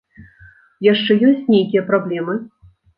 Яшчэ ёсць нейкія праблемы?